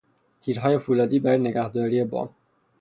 تیرهای فولادی برای نگهداری بام